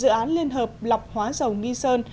dự án liên hợp lọc hóa dầu nghi sơn